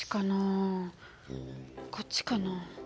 こっちかな？